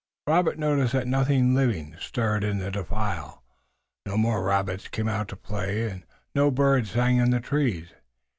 Robert noticed that nothing living stirred in the defile. No more rabbits came out to play and no birds sang in the trees.